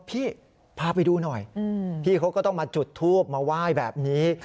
พาไปดูหน่อยพี่เขาก็ต้องมาจุดทูบมาไหว้แบบนี้